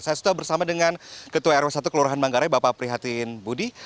saya sudah bersama dengan ketua rw satu kelurahan manggarai bapak prihatin budi